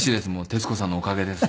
徹子さんのおかげです。